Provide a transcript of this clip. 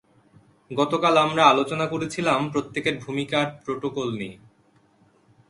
গতকাল আমরা আলোচনা করেছিলাম প্রত্যেকের ভূমিকা আর প্রোটোকল নিয়ে।